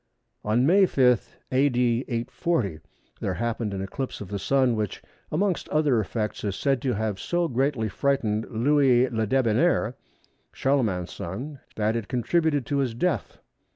On May 5, A.D. 840, there happened an eclipse of the Sun which, amongst other effects, is said to have so greatly frightened Louis Le Debonnaire (Charlemagne's son) that it contributed to his death.